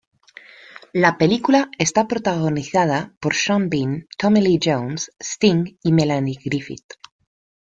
La película está protagonizada por Sean Bean, Tommy Lee Jones, Sting y Melanie Griffith.